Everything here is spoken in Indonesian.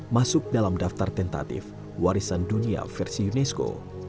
masuk dalam daftar tentatif warisan dunia versi unesco